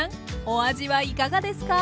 お味はいかがですか？